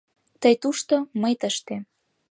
Тый — тушто, мый — тыште...